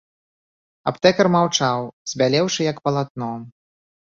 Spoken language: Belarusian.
Аптэкар маўчаў, збялеўшы як палатно.